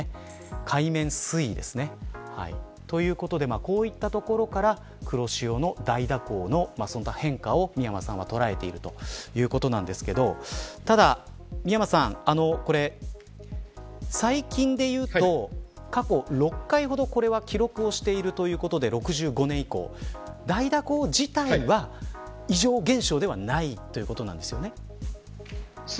海面水位です。ということでこういったところから黒潮の大蛇行のその変化を美山さんが捉えているということですがただ、美山さんこれは最近でいうと過去６回ほど、これは記録をしているということで６５年以降大蛇行自体は異常現象ではないそうですね。